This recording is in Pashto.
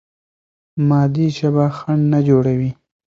مادي ژبه خنډ نه جوړوي.